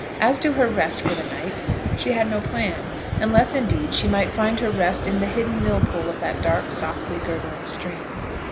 As to her rest for the night she had no plan, unless, indeed, she might find her rest in the hidden mill pool of that dark, softly gurgling stream.